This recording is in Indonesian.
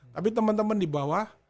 tapi teman teman di bawah